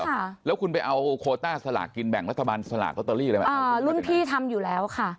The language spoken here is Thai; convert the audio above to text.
ค่ะแล้วคุณไปเอาโคต้าสลากกินแบ่งรัฐบาลสลากลอตเตอรี่อะไรมาอ่ารุ่นพี่ทำอยู่แล้วค่ะ